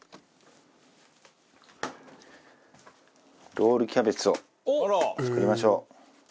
ロールキャベツを作りましょう。